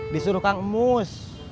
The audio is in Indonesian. disuruh kang mus